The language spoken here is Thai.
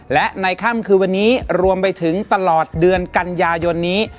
และในค่ำคือวันนี้รวมไปถึงตลอดเดือนกันยายนนี้